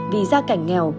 vì ra cảnh nghèo